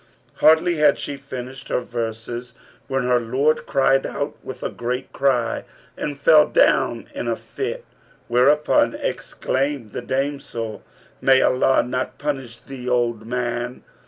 Hardly had she finished her verses, when her lord cried out with a great cry and fell down in a fit; whereupon exclaimed the damsel, 'May Allah not punish thee, O old man!